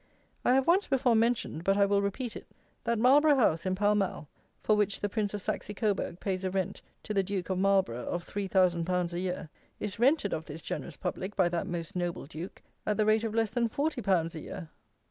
I have once before mentioned, but I will repeat it, that Marlborough House in Pall Mall, for which the Prince of Saxe Coburg pays a rent to the Duke of Marlborough of three thousand pounds a year, is rented of this generous public by that most Noble Duke at the rate of less than forty pounds a year.